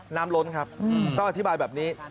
ล้นครับต้องอธิบายแบบนี้